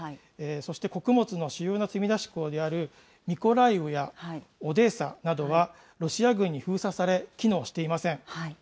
そして穀物の主要な積み出し港であるミコライウやオデーサなどは、ロシア軍に封鎖され機能していません。